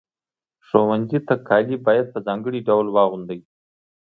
ښوونځي ته کالي باید په ځانګړي ډول واغوندئ.